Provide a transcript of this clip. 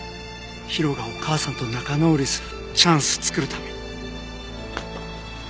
ヒロがお母さんと仲直りするチャンス作るために。